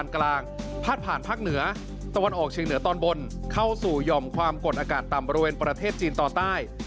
เข้าสู่หย่อมความกดอากาศต่ำบริเวณประเทศจีนต่อใต้